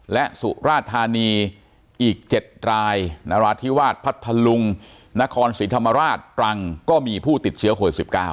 และสุราธานีอีก๗รายนราธิวาสพัทธลุงนครศรีธรรมราชตรังก็มีผู้ติดเชื้อโควิด๑๙